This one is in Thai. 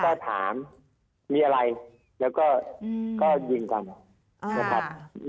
ก็ถามมีอะไรแล้วก็ยิงกันนะครับ